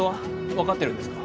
分かってるんですか？